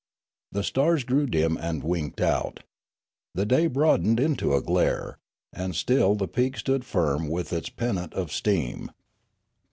The stars grew dim and winked out. The day broad ened into a glare, and still the peak stood firm with its pennant of steam.